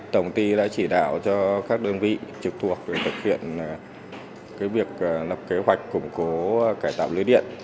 tổng ty đã chỉ đạo cho các đơn vị trực thuộc để thực hiện việc lập kế hoạch củng cố cải tạo lưới điện